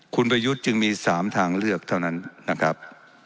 คุณประยุทธ์จึงมี๓ทางเลือกเท่านั้นนะครับ